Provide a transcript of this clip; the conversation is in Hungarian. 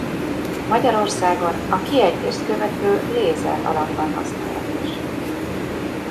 Magyarországon a kiejtést követő lézer alakban használatos.